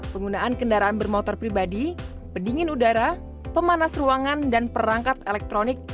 penggunaan kendaraan bermotor pribadi pendingin udara pemanas ruangan dan perangkat elektronik